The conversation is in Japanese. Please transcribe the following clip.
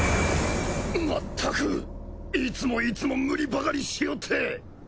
まったくいつもいつも無理ばかりしおって！